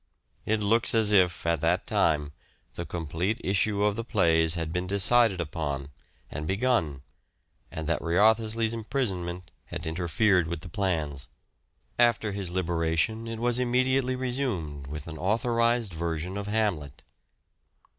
It looks as if, at that time, the complete issue of the plays had been decided upon and begun, and that Wriothesley's imprisonment had interfered with the plans. After POSTHUMOUS CONSIDERATIONS 429 his liberation it was immediately resumed with an authorized version of " Hamlet."